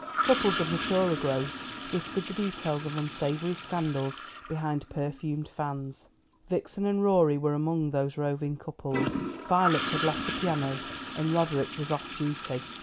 Couples of maturer growth whispered the details of unsavoury scandals behind perfumed fans. Vixen and Rorie were among these roving couples. Violet had left the piano, and Roderick was off duty.